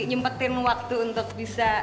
nyempetin waktu untuk bisa